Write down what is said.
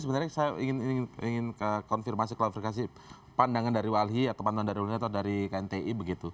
sebenarnya saya ingin konfirmasi kalau berkasih pandangan dari wali atau dari knti